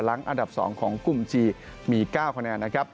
หลังอันดับ๒ของกุมจีมี๙คะแนน